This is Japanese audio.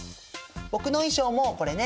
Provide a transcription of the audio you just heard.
僕の衣装もこれね